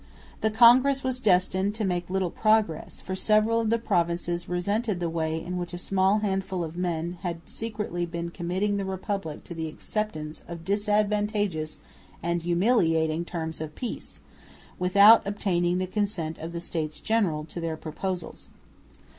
The congress was destined to make little progress, for several of the provinces resented the way in which a small handful of men had secretly been committing the Republic to the acceptance of disadvantageous and humiliating terms of peace, without obtaining the consent of the States General to their proposals.